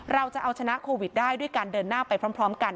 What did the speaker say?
เราจะเอาชนะโควิดได้ด้วยการเดินหน้าไปพร้อมกัน